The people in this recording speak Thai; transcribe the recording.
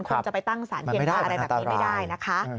คงจะไปตั้งสารเพียงตาอะไรแบบนี้ไม่ได้นะคะ